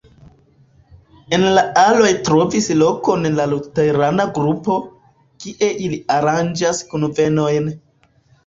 En la aloj trovis lokon la luterana grupo, kie ili aranĝas kunvenojn.